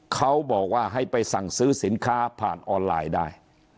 เขาบอกว่าให้ไปสั่งซื้อสินค้าผ่านออนไลน์ได้